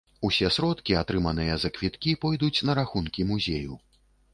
Усе сродкі, атрыманыя за квіткі, пойдуць на рахункі музею.